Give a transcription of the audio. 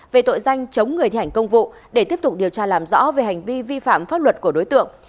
về tội danh chống người thi hành công vụ để tiếp tục điều tra làm rõ về hành vi vi phạm pháp luật của đối tượng